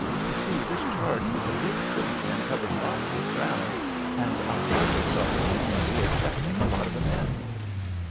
You see, this charge was a big thing and covered lots of ground, and I hardly saw anybody excepting a lot of the men."